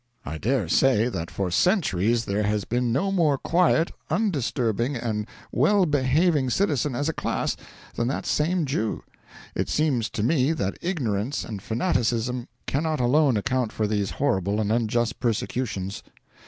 I dare say that for centuries there has been no more quiet, undisturbing, and well behaving citizen, as a class, than that same Jew. It seems to me that ignorance and fanaticism cannot alone account for these horrible and unjust persecutions.